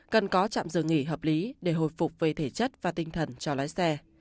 cần có trạm dừng nghỉ hợp lý để hồi phục về thể chất và tinh thần cho lái xe